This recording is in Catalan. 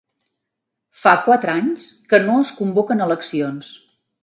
Fa quatre anys que no es convoquen eleccions.